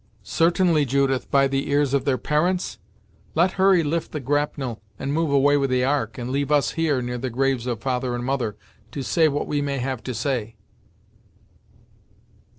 "Certainly, Judith, by the ears of their parents? Let Hurry lift the grapnel and move away with the Ark, and leave us here, near the graves of father and mother, to say what we may have to say."